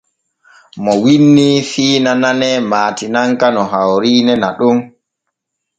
MO wiinnii fiina nane maatinaki no hawriine naɗon.